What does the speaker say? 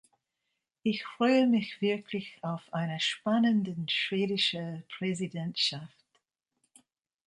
Ich freue mich wirklich auf eine spannende schwedische Präsidentschaft.